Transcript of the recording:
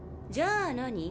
じゃあ何？